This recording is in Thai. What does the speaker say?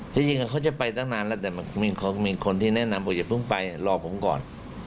จริงเขาจะไปตั้งนานแล้วแต่มีคนที่แนะนำว่าอย่าเพิ่งไปรอผมก่อน